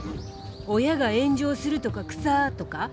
「親が炎上するとか草」とか？